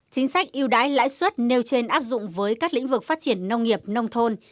chính sách yêu đãi lãi suất nêu trên áp dụng với các lĩnh vực phát triển nông nghiệp nông thôn